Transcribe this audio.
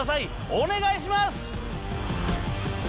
お願いします。